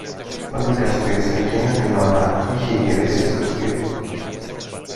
Ο δικαστής εκείνη την ώρα είχε γυρίσει στο σπίτι του